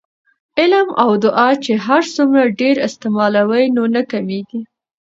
علم او دعاء چې هرڅومره ډیر استعمالوې نو نه کمېږي